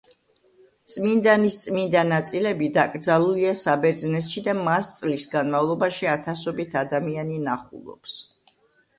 წმინდანის წმინდა ნაწილები დაკრძალულია საბერძნეთში და მას წლის განმავლობაში ათასობით ადამიანი ნახულობს.